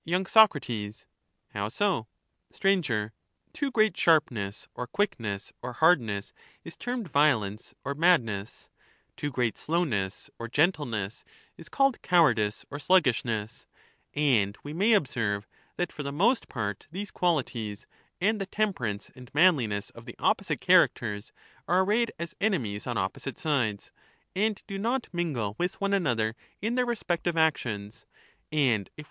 Soc, How so ? Sir. Too great sharpness or quickness or hardness is But when termed violence or madness ; too great slowness or gentle ^^"j^" ness is called cowardice or sluggishness; and we may excess, we observe, that for the most part these qualities, and the caii^«™^ temperance and manliness of the opposite characters, are madness, arrayed as enemies on opposite sides, and do not mingle cowardice .,.. 1 ...../. orsluggish with one another m their respective actions; and if we ness.